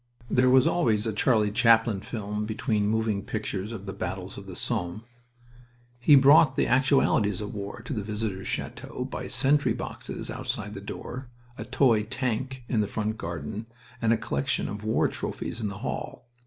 There was always a Charlie Chaplin film between moving pictures of the battles of the Somme. He brought the actualities of war to the visitors' chateau by sentry boxes outside the door, a toy "tank" in the front garden, and a collection of war trophies in the hall.